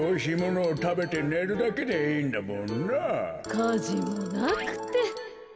かじもなくて。